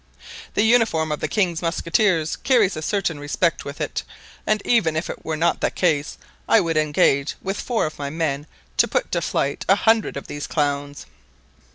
"The uniform of the king's musketeers carries a certain respect with it, and even if that were not the case I would engage with four of my men to put to flight a hundred of these clowns."